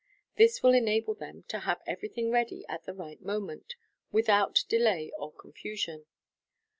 This will enable them to have everything ready at the right moment, without delay or confusion.